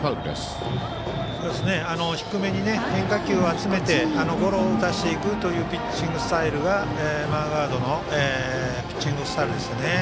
低めに変化球を集めてゴロを打たせていくというピッチングスタイルがマーガードのピッチングスタイルですよね。